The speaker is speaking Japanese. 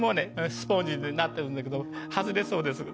スポンジになっているんだけど外れそうです。